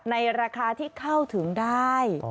ในราคาที่เข้าถึงได้